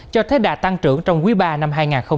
cho thế đạt tăng trưởng trong quý ba năm hai nghìn hai mươi hai